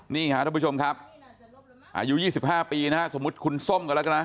นี่ค่ะทุกผู้ชมครับอายุ๒๕ปีนะฮะสมมุติคุณส้มกันแล้วกันนะ